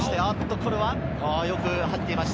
これはよく入っていました。